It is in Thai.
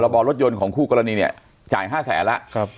บอลรถยนต์ของคู่กรณีเนี่ยจ่าย๕แสนแล้ว